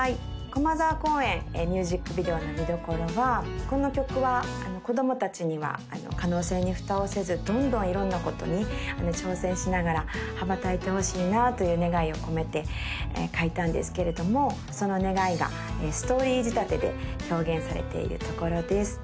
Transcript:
「駒沢公園」ミュージックビデオの見どころはこの曲は子供達には可能性にフタをせずどんどん色んなことに挑戦しながら羽ばたいてほしいなという願いを込めて書いたんですけれどもその願いがストーリー仕立てで表現されているところです